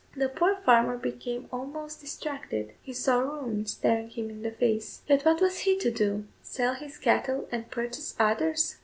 The poor farmer became almost distracted; he saw ruin staring him in the face; yet what was he to do? Sell his cattle and purchase others!